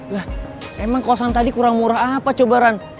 lah emang kosan tadi kurang murah apa coba ran